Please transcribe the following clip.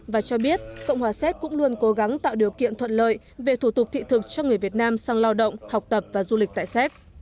và cho biết cộng hòa séc cũng luôn cố gắng tạo điều kiện thuận lợi về thủ tục thị thực cho người việt nam sang lao động học tập và du lịch tại séc